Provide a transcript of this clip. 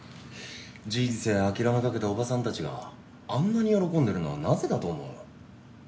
人生諦めかけたおばさんたちがあんなに喜んでるのはなぜだと思う？